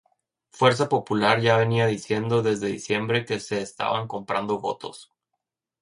Fuerza Popular ya venía diciendo desde diciembre que se estaban comprando votos.